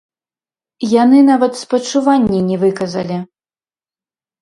Яны нават спачуванні не выказалі!